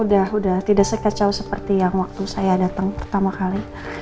udah tidak sekecau seperti yang waktu saya datang pertama kali